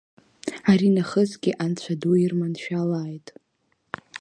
Аринахысгьы анцәа ду ирманшәалааит!